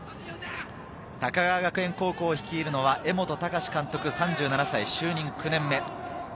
高川学園高校を率いるのは江本孝監督３７歳、就任９年目。